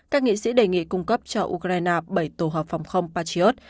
các nghị sĩ đề nghị cung cấp cho ukraine bảy tổ hợp phòng không patriot